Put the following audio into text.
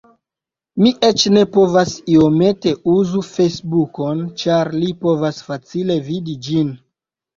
Mi eĉ ne povas iomete uzu Fejsbukon ĉar li povas facile vidi ĝin.